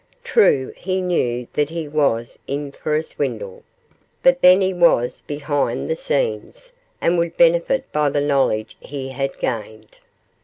True, he knew that he was in for a swindle, but then he was behind the scenes, and would benefit by the knowledge he had gained.